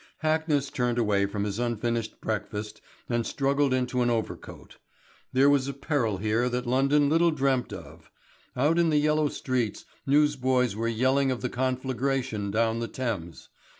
Hackness turned away from his unfinished breakfast and struggled into an overcoat. There was a peril here that London little dreamt of. Out in the yellow streets newsboys were yelling of the conflagration down the Thames.